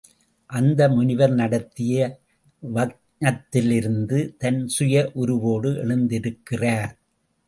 அந்த முனிவர் நடத்திய வக்ஞத்திலிருந்து தன் சுய உருவோடு எழுந்திருக்கிறார்.